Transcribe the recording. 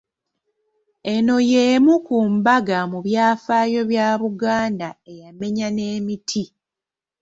Eno y’emu ku mbaga mu byafaayo bya Buganda eyamenya n’emiti.